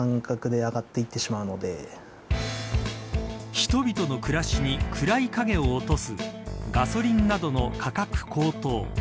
人々の暮らしに暗い影を落とすガソリンなどの価格高騰。